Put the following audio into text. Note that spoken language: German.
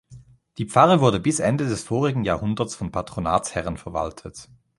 Die Pfarre wurde bis Ende des vorigen Jahrhunderts von Patronatsherren verwaltet.